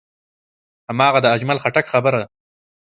هماغه د اجمل خټک خبره.